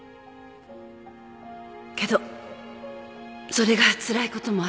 けどそれがつらいこともあると。